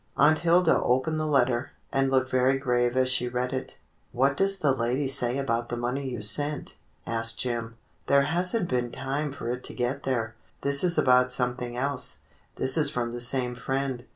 Aunt Hilda opened the letter, and looked very grave as she read it. "What does the lady say about the money you sent.^" asked Jim. "There has n't been time for it to get there. This is about something else. This is from the same friend.